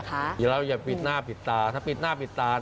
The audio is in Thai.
อย่าเรารู้เดี๋ยวอย่าปิดหน้าปิดตาถ้าปิดหน้าปิดตา